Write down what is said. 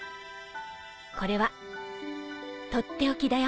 これは取って置きだよ。